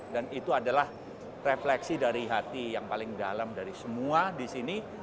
dan itu adalah refleksi dari hati yang paling dalam dari semua di sini